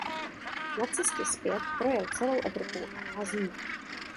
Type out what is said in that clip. Na cestě zpět projel celou Evropou a Asií.